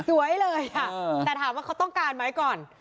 สวยเลยแต่ถามว่าเขาต้องการไหมก่อน